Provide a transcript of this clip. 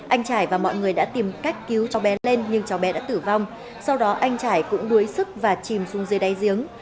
anh trải và mọi người đã tìm cách cứu cháu bé lên nhưng cháu bé đã tử vong sau đó anh trải cũng đuối sức và chìm xuống dưới đáy giếng